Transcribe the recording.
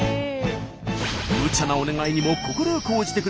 むちゃなお願いにも快く応じてくれた中南さん。